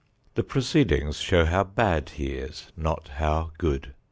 The proceedings show how bad he is, not how good.